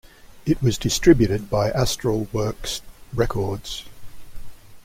It was distributed by Astralwerks Records.